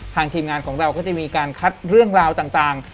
ทีมงานของเราก็จะมีการคัดเรื่องราวต่าง